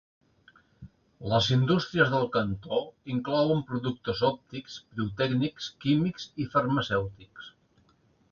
Les indústries del cantó inclouen productes òptics, pirotècnics, químics i farmacèutics.